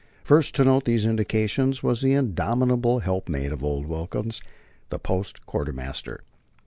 First to note these indications was the indomitable helpmate of old Wilkins, the post quartermaster.